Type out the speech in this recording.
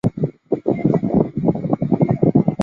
下方列表中所有日期皆以儒略历表示。